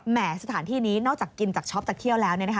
สถานที่นี้นอกจากกินจากช็อปจากเที่ยวแล้ว